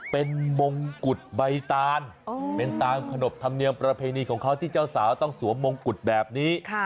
เป็นมงกุฎใบตานเป็นตามขนบธรรมเนียมประเพณีของเขาที่เจ้าสาวต้องสวมมงกุฎแบบนี้